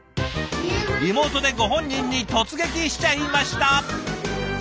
リモートでご本人に突撃しちゃいました！